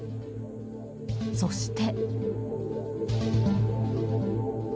そして。